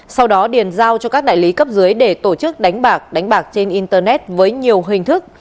sau đó điền giao cho các đại lý cấp dưới để tổ chức đánh bạc đánh bạc trên internet với nhiều hình thức